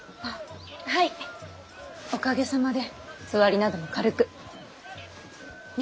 はいおかげさまでつわりなども軽く。ね。